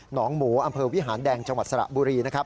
หนองหมูอำเภอวิหารแดงจังหวัดสระบุรี